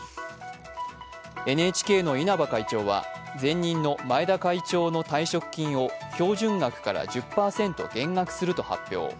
ＮＨＫの稲葉会長は前任の前田会長の退職金を標準額から１０％減額すると発表。